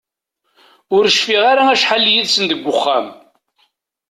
Ur cfiɣ ara acḥal yid-sen deg uxxam.